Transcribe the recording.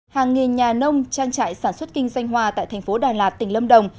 hàng nghìn nhà nông trang trại sản xuất kinh doanh hoa tại thành phố đà lạt tỉnh lâm đồng